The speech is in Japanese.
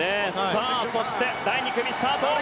そして、第２組スタート。